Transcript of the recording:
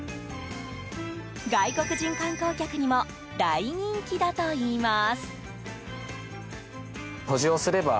外国人観光客にも大人気だといいます。